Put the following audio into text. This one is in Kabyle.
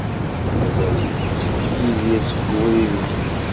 Mazal yettekk Yidir seg ubrid-nni?